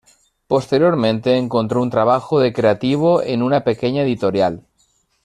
Posteriormente encontró un trabajo de creativo en una pequeña editorial.